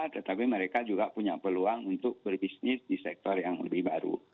tetapi mereka juga punya peluang untuk berbisnis di sektor yang lebih baru